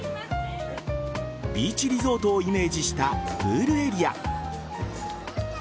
ビーチリゾートをイメージしたプールエリア。